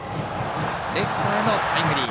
レフトへのタイムリー。